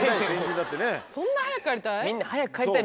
そんな早く帰りたい？